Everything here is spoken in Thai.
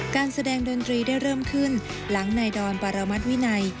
การแสดงดนตรีได้เริ่มขึ้นหลังนายดอนปรมัติวินัย